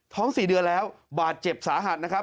๔เดือนแล้วบาดเจ็บสาหัสนะครับ